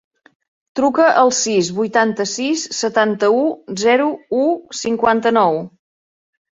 Truca al sis, vuitanta-sis, setanta-u, zero, u, cinquanta-nou.